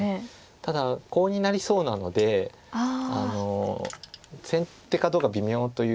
ただコウになりそうなので先手かどうか微妙ということで。